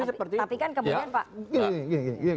tapi kan kemudian pak